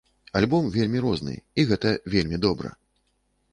Альбом вельмі розны і гэта вельмі добра!